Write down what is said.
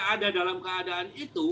ada dalam keadaan itu